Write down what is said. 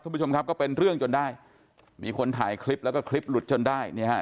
คุณผู้ชมครับก็เป็นเรื่องจนได้มีคนถ่ายคลิปแล้วก็คลิปหลุดจนได้เนี่ยฮะ